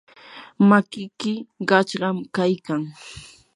makiki qachqam kaykan.